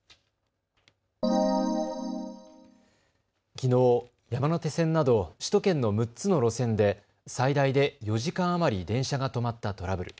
きのう山手線など首都圏の６つの路線で最大で４時間余り電車が止まったトラブル。